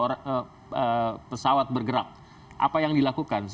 jadi kalau pesawat bergerak apa yang dilakukan